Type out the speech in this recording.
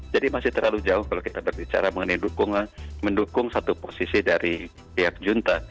jadi masih terlalu jauh kalau kita berbicara mengenai mendukung satu posisi dari pihak junta